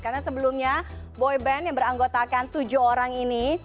karena sebelumnya boyband yang beranggotakan tujuh orang ini